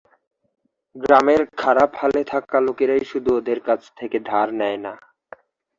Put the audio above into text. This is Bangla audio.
গ্রামের খারাপ হালে থাকা লোকেরাই শুধু ওদের কাছ থেকে ধার নেয় না।